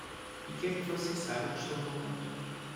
E quero que você saiba que estou voltando.